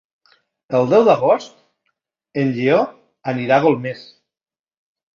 El deu d'agost en Lleó anirà a Golmés.